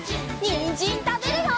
にんじんたべるよ！